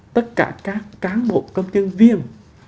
tất cả các cán bộ công nhân viên